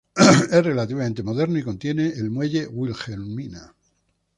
Es relativamente moderno y contiene el Muelle Wilhelmina.